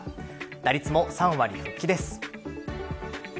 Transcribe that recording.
打率も３割復帰です。